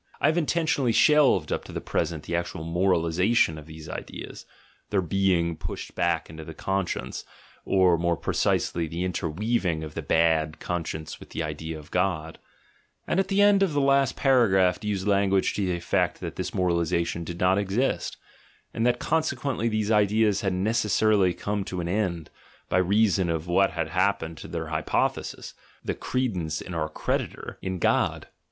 I have intentionally shelved up to the present the actual moralisation of these ideas (their being pushed back into the conscience, or more precisely the interweaving of the bad conscience with the idea of God), and at the end of the last paragraph used language to the effect that this moralisation did not exist, and that consequently these ideas had necessarily come to an end, by reason of what had happened to their hypothesis, the credence in our "creditor," in God.